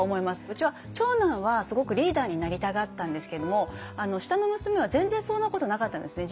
うちは長男はすごくリーダーになりたがったんですけども下の娘は全然そんなことなかったんですね。